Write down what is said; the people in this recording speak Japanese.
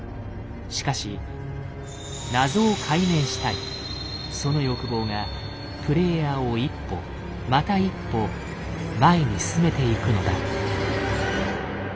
しかしその欲望がプレイヤーを一歩また一歩前に進めていくのだ。